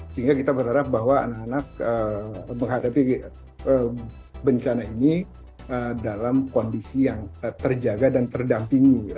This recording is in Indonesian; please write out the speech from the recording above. sehingga kita berharap bahwa anak anak menghadapi bencana ini dalam kondisi yang terjaga dan terdampingi